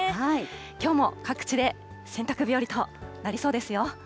きょうも各地で洗濯日和となりそうですよ。